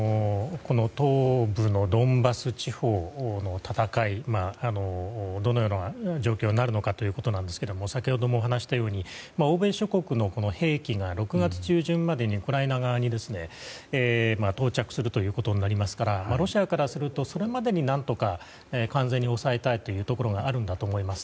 この東部のドンバス地方の戦いどのような状況になるのかということなんですが先ほども話したように欧米諸国の兵器が６月中旬までにウクライナ側に到着するということになりますからロシアからするとそれまでに何とか完全に押さえたいというところがあるんだと思います。